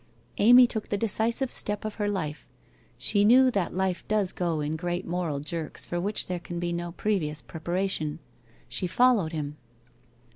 Amy took the decisive step of her life. She knew that life does go in great moral jerks for which there can be no previous preparation. She followed him.